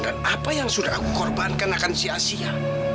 dan apa yang sudah aku korbankan akan sia sia